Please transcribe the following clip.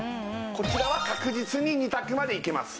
こちらは確実に２択までいきます